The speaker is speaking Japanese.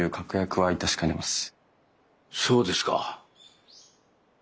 そうですか。